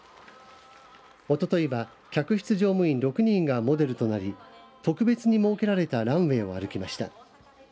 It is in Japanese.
おとといは客室乗務員６人がモデルとなり特別に設けられたランウエーを歩きました。